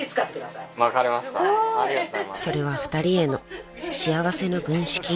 ［それは２人への幸せの軍資金］